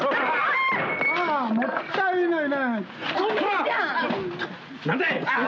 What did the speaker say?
もったいないな。